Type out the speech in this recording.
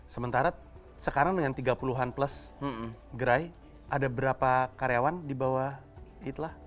sementara sekarang dengan tiga puluh an plus gerai ada berapa karyawan di bawah itlah